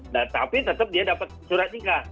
nah tapi tetap dia dapat surat nikah